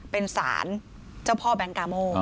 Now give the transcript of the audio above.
เป็นสารเจ้าพ่อแบงค์กาโม